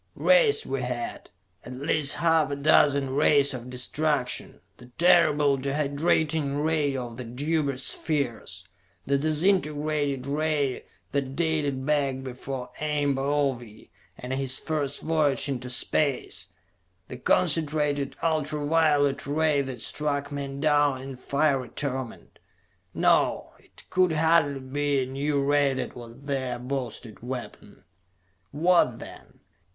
Rays we had; at least half a dozen rays of destruction; the terrible dehydrating ray of the Deuber Spheres, the disintegrating ray that dated back before Ame Baove and his first voyage into space, the concentrated ultra violet ray that struck men down in fiery torment.... No, it could hardly be a new ray that was their boasted weapon. What, then?